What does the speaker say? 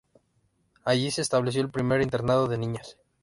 Allí se estableció el primer internado de niñas.